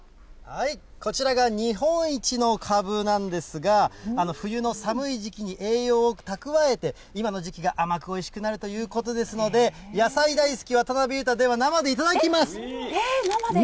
こちらが日本一のかぶなんですが、冬の寒い時期に栄養を蓄えて、今の時期が甘くおいしくなるということですので、野菜大好き、えー、生で。